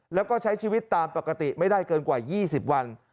แล้วก็ใช้ชีวิตตามปกติไม่ได้เกินกว่า๒๐วัน